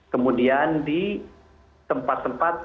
kemudian di tempat tempat